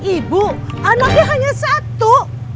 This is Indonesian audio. ibu anaknya hanya satu